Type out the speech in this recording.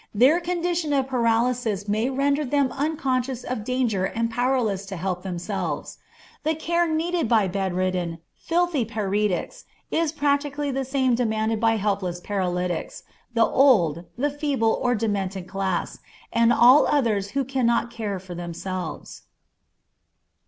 Their condition of paralysis may render them unconscious of danger and powerless to help themselves. The care needed by bedridden, filthy paretics is practically the same demanded by helpless paralytics, the old, feeble, or demented class, and all others who cannot care for themselves.